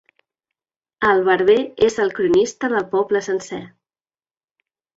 El barber és el cronista del poble sencer.